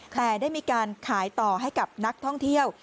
แต่ได้มีการขายต่อให้กับนักท่องเที่ยว